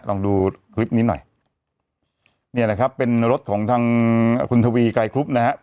ลองดูคลิปนี้หน่อยเนี่ยนะครับเป็นรถของทางคุณทวีไกรครุบนะฮะ